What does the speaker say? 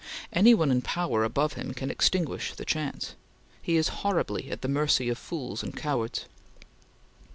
Any one in power above him can extinguish the chance. He is horribly at the mercy of fools and cowards.